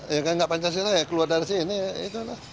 ya kan nggak pancasila ya keluar dari sini itulah